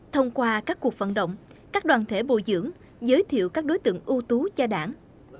thông qua các cuộc vận động các đoàn thể bồi dưỡng giới thiệu các đối tượng ưu tú cho đảng